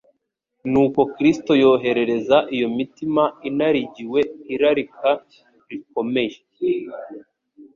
Nuko Kristo yoherereza iyo mitima inarigiwe irarika rikomeye,